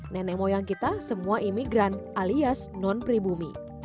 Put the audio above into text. nenek moyang kita semua imigran alias non pribumi